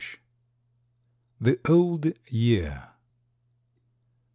_) 47 THE OLD YEAR.